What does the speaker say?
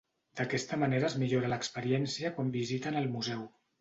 D'aquesta manera es millora l'experiència quan visiten el museu.